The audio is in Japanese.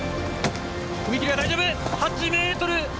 踏み切りは大丈夫。